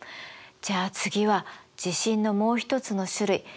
じゃあ次は地震のもう一つの種類